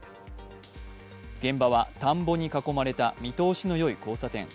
現場は田んぼに囲まれた見通しのよい交差点。